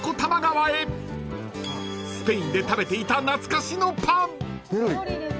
［スペインで食べていた懐かしのパン］